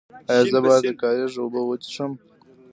ایا زه باید د کاریز اوبه وڅښم؟